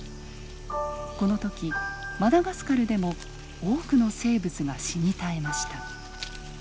この時マダガスカルでも多くの生物が死に絶えました。